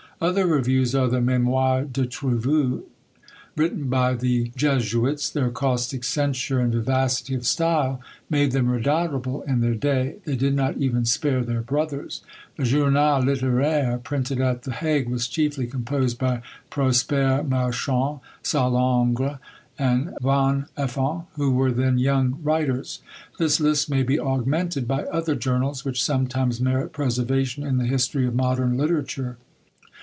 Other reviews, are the Mémoires de Trevoux, written by the Jesuits. Their caustic censure and vivacity of style made them redoubtable in their day; they did not even spare their brothers. The Journal Littéraire, printed at the Hague, was chiefly composed by Prosper Marchand, Sallengre, and Van Effen, who were then young writers. This list may be augmented by other journals, which sometimes merit preservation in the history of modern literature.